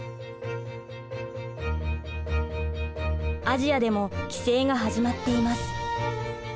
アジアでも規制が始まっています。